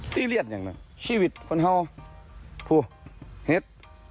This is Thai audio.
ซีเรียสอย่างนั้นชีวิตคนเห่าพูดเห็ด